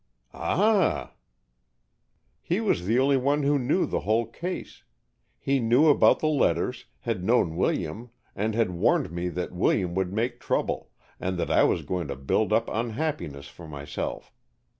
"Ah!" "He was the only one who knew the whole case. He knew about the letters, had known William, and had warned me that William would make trouble, and that I was going to build up unhappiness for myself.